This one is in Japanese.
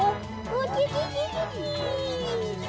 ウキキキ！